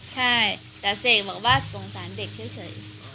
ใช่แต่เสกบอกว่าสงสารเด็กเฉย